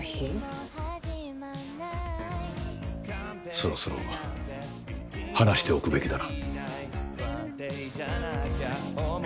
そろそろ話しておくべきだな。